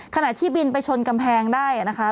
ขณะที่บินไปชนกำแพงได้นะคะ